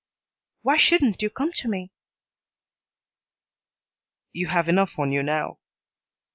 "Why shouldn't you come to me?" "You have enough on you now."